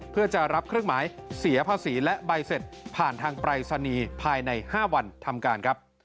เพื่อจะรับเครื่องหมายเสียภาษีและใบเสร็จผ่านทางปรายศนีย์ภายใน๕วันทำการครับ